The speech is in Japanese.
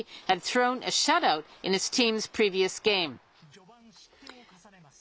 序盤、失点を重ねます。